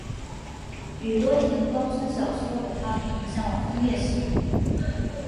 宇多田光称小时候的她并不向往音乐事业。